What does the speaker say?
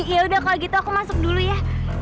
yaudah kalau gitu aku masuk dulu ya